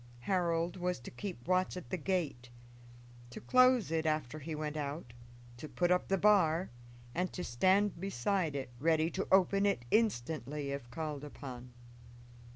Harold was to keep watch at the gate, to close it after he went out, to put up the bar, and to stand beside it ready to open it instantly if called upon.